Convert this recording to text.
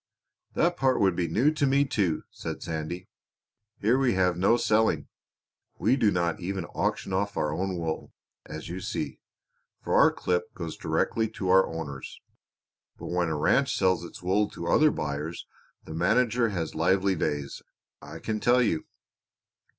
"That part would be new to me too," said Sandy. "Here we have no selling; we do not even auction off our own wool, as you see, for our clip goes direct to our owners. But when a ranch sells its wool to other buyers the manager has lively days, I can tell you.